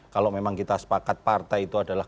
kalau memang kita sepakat partai itu adalah